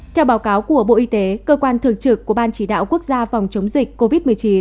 theo báo cáo của bộ y tế cơ quan thường trực của ban chỉ đạo quốc gia phòng chống dịch covid một mươi chín